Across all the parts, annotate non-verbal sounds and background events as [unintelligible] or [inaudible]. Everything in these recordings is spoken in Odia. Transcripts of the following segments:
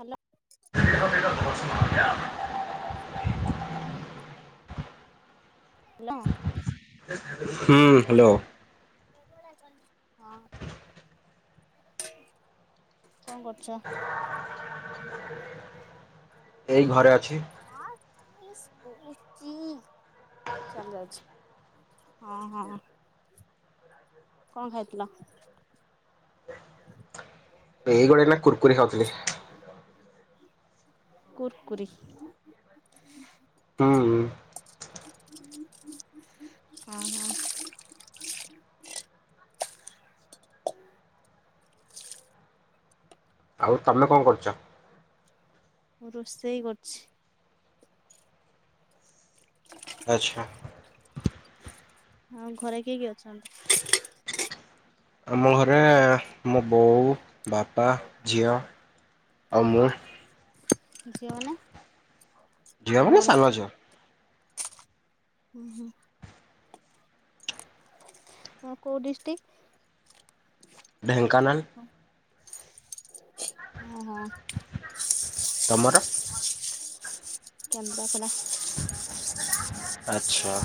ହାଲୋ। ହେଲାୋ। ହୁଁ ହ୍ୟାଲୋ। [inaudible] ହଁ। କଣ କରୁଛ? ଏଇ ଘରେ ଅଛି। ହୁଚ ଚାଲ ଅଛି। ହଁ ହଁ କଣ ଖାଇଥିଲ? [inaudible] ଏଇ ଗୋଟେ ନା କୁୁରକୁରି ଖାଉଥିଲି। କୁର୍କୁରୀ। ହୁଁ। ଓ ହୋ। [inaudible] ଆଉ ତମେ କଣ କରୁଛ? ମୁଁ ରୋଷେଇ କରୁଛି। ଆଚ୍ଛା। ହଁ ଘରେ କିଏ କିଏ ଅଛନ୍ତି। ଆମ ଘରେ ମୋ ବୋଉ ବାପା ଝିଅ ଆଉ ମୁଁ। ଝିଅ ମାନେ? ଝିଅ ମାନେ ସାନ ଝିଅ। ହୁଁ ହୁଁ। ମ କୋଉ ଡିଷ୍ଟକ୍? ଢେଙ୍କାନାଳ। ଓ ହୋ। ତମର? କେନ୍ଦ୍ରାପଡ଼ା। ଆଚ୍ଛା।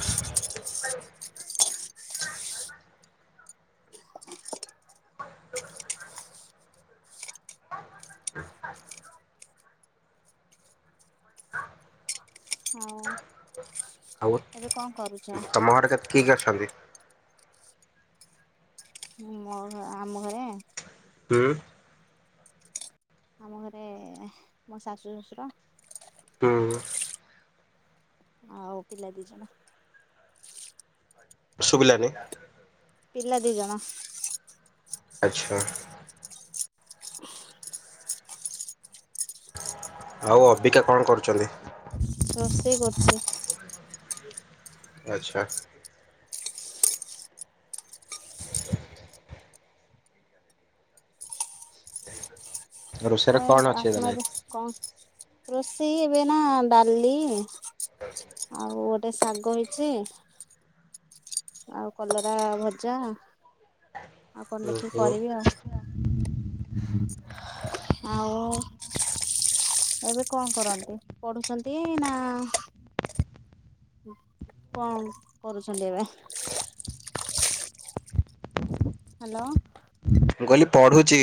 ଆଉ ହଉ ଏବେ କଣ କରୁଛ? ତମ ଘରେ କେ କିଏ କିଏ ଅଛନ୍ତି? ମୋ ଘ ଆମ ଘରେ ହୁଁ। ଆମ ଘରେ ମୋ ଶାଶୁ ଶ୍ୱଶୁର ହୁଁ। ଆଉ ପିଲା ଦିଇଜଣ ସୁବିଲାନି। ପିଲା ଦି ଜଣ। ଆଚ୍ଛା। ଆଉ ଅବିକା କଣ କରୁଛନ୍ତି? ରୋଷେଇ କରୁଛି। ଆଚ୍ଛା। ହ ରୋଷେଇରେ କଣ ଅଛି ଆପଣ ତାହେଲେ? ଏବେ କଣ ରୋଷେଇ ଏବେ ନା ଡାଲି ଆଉ ଗୋଟେ ଶାଗ ହେଇଛି ଆଉ କଲରା ଭଜା। ଆଉ କଣ ହୁଁ ଦେଖିକି ହୁଁ କରିବି ଆଉ। [inaudible] ଆଉ? ଏବେ କଣ କରନ୍ତି ପଢୁଛନ୍ତି ନା? କଣ କରୁଛନ୍ତି ଏବେ? ହାଲୋ। ମୁଁ କହିଲି ପଢ଼ୁଛି।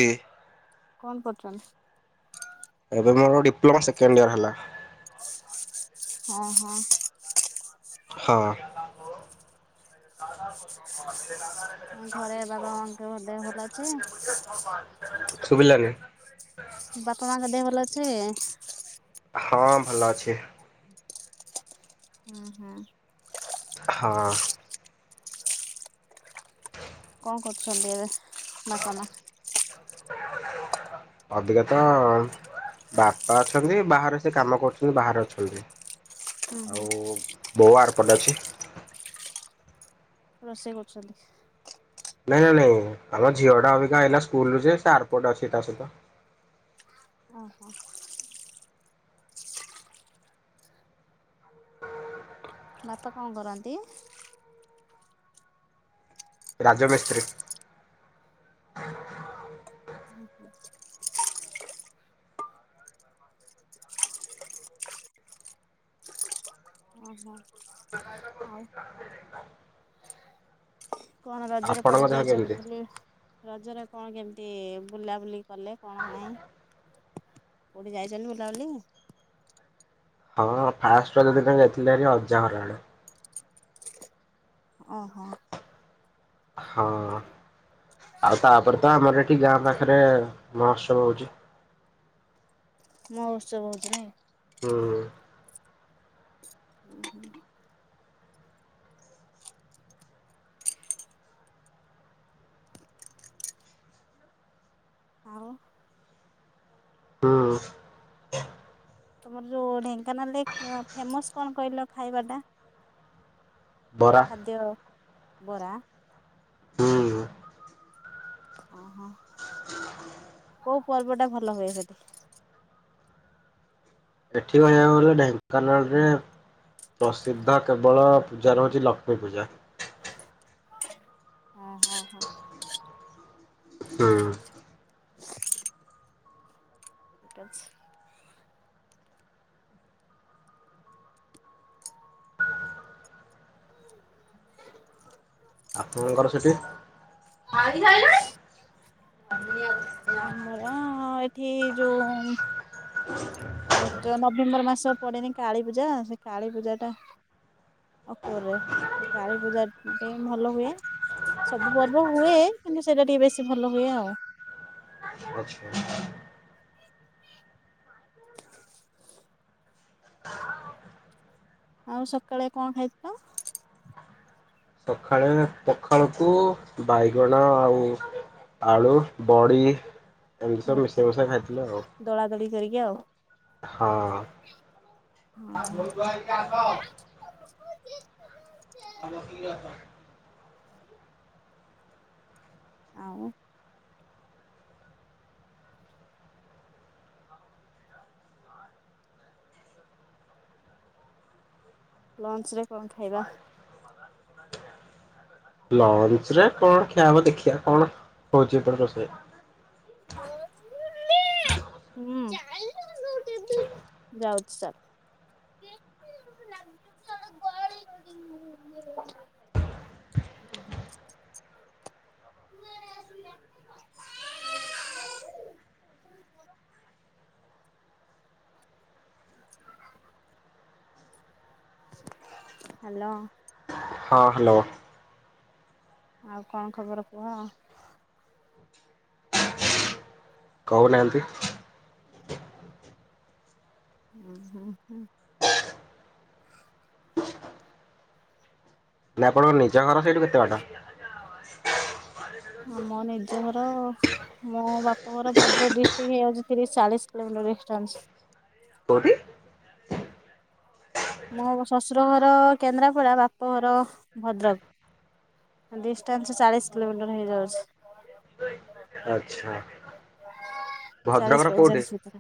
କଣ ପଢୁଛନ୍ତି। ଏବେ ମୋର ଡିପ୍ଲୋମା ସେକେଣ୍ଡ ଇୟର ହେଲା। ହଁ ହଁ। ହଁ। ଘରେ ବାବା ମାଙ୍କ ଦେହ ଭଲ ଅଛି? ଶୁଭିଲାନି। ବାପା ମାଙ୍କ ଦେହ ଭଲ ଅଛି? ହଁ ଭଲ ଅଛି। ହୁଁ ହୁଁ। ହଁ। ଙ୍କ କରୁଛନ୍ତି ଏବେ ବାପା ମା? ଅବିକା ତ ବାପା ଅଛନ୍ତି ବାହାରେ ସେ କାମ କରୁଛନ୍ତି ବାହାରେ ଅଛନ୍ତି। ହୁଁ ଆଉ ହୁଁ। ବୋଉ ଆର ପଟେ ଅଛି। ରୋଷେଇ କରୁଛନ୍ତି। ନାଇଁ ନାଇଁ ନାଇଁ ଆମ ଝିଅ ଟା ଅବିକା ଆଇଲା ସ୍କୁଲ୍ ରୁ ଯେ ଆରପଟେ ଅଛି ତା ସହିତ। ଓହୋ। ବାପା କଣ କରନ୍ତି? ରାଜ ମିସ୍ତ୍ରୀ। ଓହୋ ଓ ହୋ। କଣ ରଜରେ ଆପଣଙ୍କ କୁଆଡେ ଦେହ ଯାଇଛନ୍ତି କେମିତି? ବୁଲି? ରଜରେ କଣ କେମିତି ବୁଲାବୁଲି? କଲେ କଣ ନାହିଁ କେଉଠି ଯାଇଛନ୍ତି ବୁଲାବୁଲି? ହଁ ଫାଷ୍ଟରେ ଯଦି ଯାଇଥିଲି ଅଜା ହର ଆଡ଼େ। ଓହୋ। ହଁ ଆଉ ତାପରେ ତ ଆମର ଏଠି ଏ ଗାଁ ପାଖରେ ମହୋତ୍ସବ ହଉଛି। ମହୋଉତ୍ସବ ହଉଚି ନାଇ। ହୁଁ। ହୁଁ। ଆଉ? ହୁଁ। ତମର ଯୋଉ ଢେଙ୍କାନାଲ୍ ରେ ଫେମସ୍ କଣ କହିଲ ଖାଇବା ଟା? ବରା ଖାଦ୍ୟ ବରା। ହୁଁ। ଓହୋ କୋଉ ପର୍ବ ଟା ଭଲ ହୁଏ ସେଠି? ଏଠି ଦେଖିବାକୁ ଗଲେ ଢେଙ୍କାନାଳରେ ପ୍ରସିଦ୍ଧ କେବଳ ପୂଜାରେ ହଉଛି ଲକ୍ଷ୍ମୀ ପୂଜା। ଅହ ହ। ହୁଁ। [inaudible] ଠିକ ଅଛି। ଆପଣଙ୍କର ସେଠି? ଆମର ଏଠି ଯୋଉ ଆଉ ତ ନଭେମ୍ବର ମାସ ପଡେନି କାଳୀ ପୂଜା ସେ କାଳୀ ପୂଜା ଟା ଅକ୍ଟୋବରରେ କାଳୀ ପୂଜାଟେ ଭଲ ହୁଏ ସବୁ ପର୍ବ ହୁଏ। କିନ୍ତୁ ସେଇଟା ଟିକେ ବେଶୀ ଭଲ ହୁଏ ଆଉ। ଆଉ ସକାଳେ କଣ ଖାଇଛି ତ? ସଖାଳେ ପଖାଳକୁ ବାଇଗଣ ଆଉ ଆଳୁ ବଡ଼ି ଏମିତି ସବୁ ମିଶେଇ ମିଶା ଖାଇଥିଲୁ ଆଉ। ଦେଇକି ଆଉ। ହଁ। ହଁ ଆ ହଁ। ବେହୁ ଦୁଆରିକ ଆସ। ଆ ଛ। ଆଉ? ଲଞ୍ଚ ରେ କଣ ଖାଇବା? ଲଞ୍ଚ ରେ କଣ ଖିଆ ହବ ଦେଖିବା କଣ ହଉଛି ଏପଟେ ରୋଷେଇ। ଚାଲ। ଯାଉଚି ଚାଲ ଲ ଗଳ। [unintelligible] [unintelligible] ହ୍ୟାଲୋ। ହଁ ହ୍ୟାଲୋ। ଆଉ କଣ ଖବର କୁହ? କହୁନାହାନ୍ତି? ହୁଁ ହୁଁ ହୁଁ। ନାଇଁ ଆପଣଙ୍କ ନିଜ ଘର ସେଇଠୁ କେତେ ବାଟ? ମୋ ନିଜ ଘର ମୋ ବାପ ଘର ଭଦ୍ରକ ଡିଷ୍ଟ୍ରିକ୍ଟ ହେଇଯାଉଛି ତିରିଶ ଚାଳିଶ କିଲୋମିଟର ଡିସଟାନସ କୋଉଠି? ମୋ ଶ୍ୱଶୁର ଘର କେନ୍ଦ୍ରାପଡା ବାପଘର ଭଦ୍ରକ। ଡିଷ୍ଟାନ୍ସ ଚାଳିଶ କିଲୋମିଟର ହେଇଯାଉଛି। ଆଚ୍ଛା ଭଦ୍ରକର ଚାଳିଶ କୋଉଠି ହଜାର ସୁତ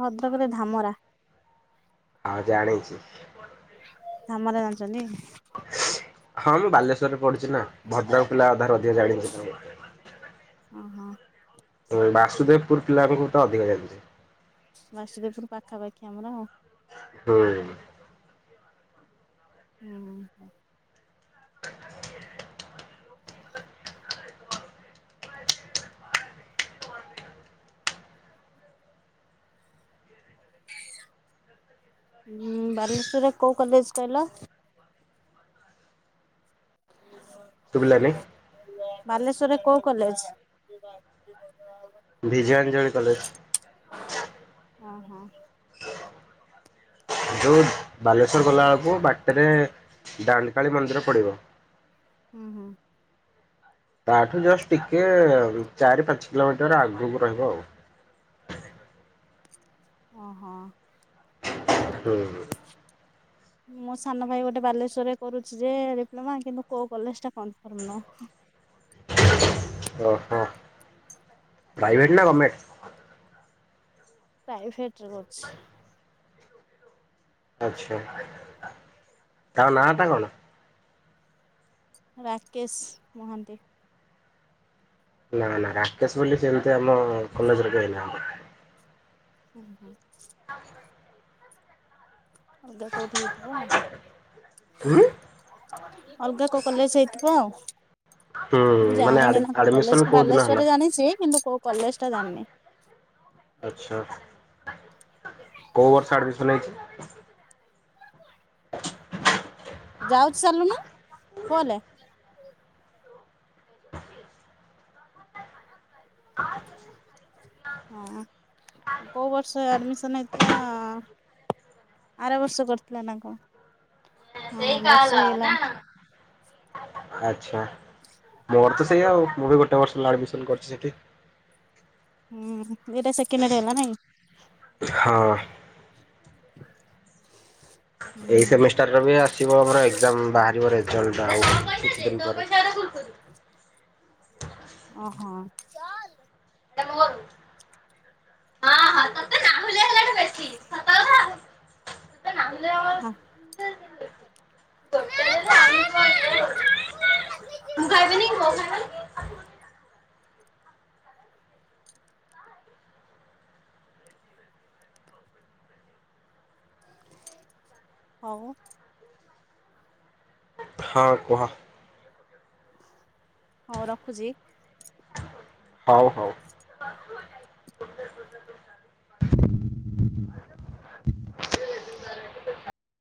ଭଦ୍ରକରେ ଧାମରା ହଁ ଜାଣିଛି। ଧାମରା ଜାଣିଛନ୍ତି? ହଁ ମୁଁ ବାଲେଶ୍ଵର ପଢିଛି ନା ଭଦ୍ରକ ପିଲା ଅଧାରୁ ଅଧିକା ଜାଣିଛି। ଓହୋ ବାସୁଦେବପୁର ପିଲା ମୁଁ ତ ଅଧିକା ଜାଣିଛ। ବାସୁଦେବପୁର ପାଖାପାଖି ଆମର ଆଉ। ହୁଁ। ଉଁ ହୁଁ। ଉଁ ବାଲେଶ୍ଵରରେ କୋଉ କଲେଜ କହିଲ। ସୁଭିଲାନୀ। ବାଲେଶ୍ଵରରେ କୋଉ କଲେଜ। ବିଜୟାଞ୍ଜଳି କଲେଜ। ହଁ ହଁ। ଯୋଉ ବାଲେଶ୍ଵର ଗଲା ବେଳକୁ ବାଟରେ ଦାଣ୍ଡକାଳୀ ମନ୍ଦିର ପଡିବ। ହୁଁ ହୁଁ। ତାଠୁ ଜଷ୍ଟ ଟିକେ ଚାରି ପାଞ୍ଚ କିଲୋମିଟର ଆଗକୁ ରହିବ ଆଉ। [unintelligible] ଓ ହୋ। [inaudible] [inaudible] ମୋ ସାନ ଭାଇ ଗୋଟେ ବାଲେଶ୍ଵରରେ କରୁଛି ଯେ ଡିପ୍ଲମା କିନ୍ତୁ କୋଉ କଲେଜ ଟା କନଫର୍ମ ନହଁ। ଓ ହୋ ପ୍ରାଇଭେଟ ନା ଗମେଟ। ପ୍ରାଇଭେଟ ରେ କରୁଛି। ଆଚ୍ଛା ତାର ନା ଟା କଣ। ରାକେଶ ମହାନ୍ତି। ନା ନା ରାକେଶ ବୋଲି ସେମିତି ଆମ କଲେଜରେ କେହି ନାଆନ୍ତି। ହୁଁ ହୁଁ। ଅଲଗା କୋଉଠି ହେଇଥିବ। ହୁଁ ଅଲଗା କୋଉ କଲେଜ ହେଇଥିବ ଆଉ। ହୁଁ ମୁଁ ମାନେ ଜାଣିନି ନା କୋଉ ଆଡମିସନ କଲେଜ କୋଉ ଦିନ ହେଲା ବାଲେଶ୍ୱରରେ ଜାଣିଛି କିନ୍ତୁ କୋଉ କଲେଜ ଟା ଜାଣିନି। [inaudible] ଆଚ୍ଛା କୋଉ ବର୍ଷ ଆଡମିସନ ହେଇଛି। [inaudible] [unintelligible] ହଁ ହଁ କୋଉ ବର୍ଷ ଆଡମିସନ ହେଇଥିଲା। ଆର ବର୍ଷ କରିଥିଲା ନା କଣ ସେଇ ହଁ ବର୍ଷେ କାଲ ନା? ହେଇଗଲାଣି। ଆଚ୍ଛା ମୋର ତ। ସେଇଆ ଆଉ ମୁଁ ବି ଗୋଟେ ବର୍ଷ ହେଲା ଆଡମିସନ କରିଛି ସେଠି। ହୁଁ ଏଇଟା ସେକେଣ୍ଡୟର୍ ହେଲା ନାଇଁ। ହଁ। ହୁଁ ଏଇ ହୁଁ ସେମିଷ୍ଟାର ବି ଆସିବ ଆମର ଏକଜାମ ବାହା। ରିବ ରେଜଲ୍ଟ ମୋ ଆଉ କିଛି ଦିନପରେ। ଓ ହଁ। [unintelligible] ବେଶୀ ସତ [inaudible] କଥା। [unintelligible] [unintelligible] ହଉ। ହଁ କୁହ। ହଉ ରଖୁଛି। ହଉ ହଉ। [inaudible]